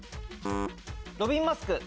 ロビンマスク。